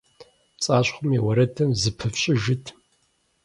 ПцӀащхъуэм и уэрэдым зыпыфщӀыжыт.